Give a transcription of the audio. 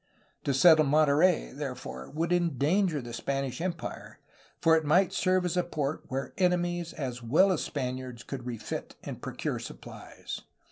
To settle Monterey, therefore, would endanger the Spanish empire, for it might serve as a port where enemies as well as Spaniards could refit and procure supplies.